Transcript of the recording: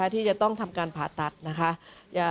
ที่จะต้องทำการผ่าตัดนะคะ